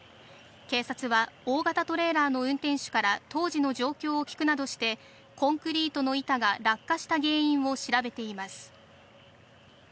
警察は大型トレーラーの運転手から当時の状況を聞くなどして、コンクリートの板が落下した原因を調べています。